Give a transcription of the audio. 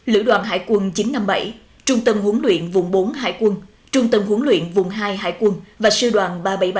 lữ đoàn hải quân chín trăm năm mươi bảy trung tâm huấn luyện vùng bốn hải quân trung tâm huấn luyện vùng hai hải quân và sư đoàn ba trăm bảy mươi ba